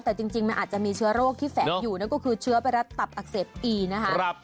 แต่จริงมันอาจจะมีเชื้อโรคที่แฝงอยู่นั่นก็คือเชื้อไวรัดตับอักเสบอีนะคะ